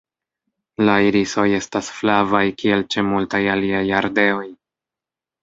La irisoj estas flavaj kiel ĉe multaj aliaj ardeoj.